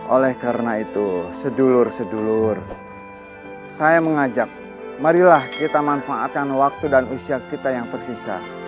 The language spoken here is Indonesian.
oleh karena itu sedulur sedulur saya mengajak marilah kita manfaatkan waktu dan usia kita yang tersisa